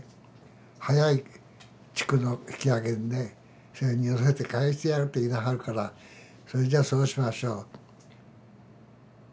早い地区の引揚船に乗せて帰してやるって言いなはるからそれじゃあそうしましょうと。